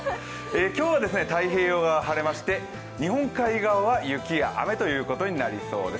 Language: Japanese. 今日は太平洋側が晴れまして、日本海側は雪や雨ということになりそうです。